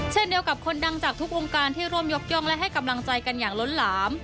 เช่นเดียวกับคนดังจากทุกวงการที่ร่วมยกย่องและให้กำลังใจกันอย่างล้นหลาม